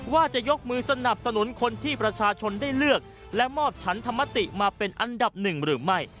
ว่าจะยกมือสนับสนุนคนที่ประชาชนได้เลือกและมอบฉันธรรมติมาเป็นอันดับหนึ่งหรือไม่